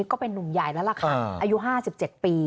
ก็เป็นนุ่มใหญ่แล้วแหละค่ะอายุห้าสิบเจ็ดปี